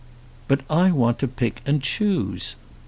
"But I want to pick and choose.